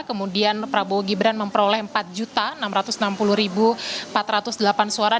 kemudian prabowo gibran memperoleh empat enam ratus enam puluh empat ratus delapan suara